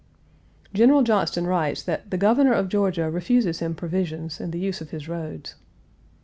General Johnston writes that "the Governor of Georgia refuses him provisions and the use of his roads."